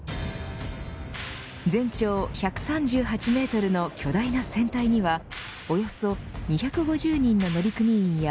全長１３８メートルの巨大な船体にはおよそ２５０人の乗組員や